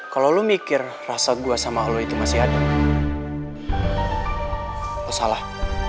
kalau lo mikir rasaku sama lo itu masih ada lo salah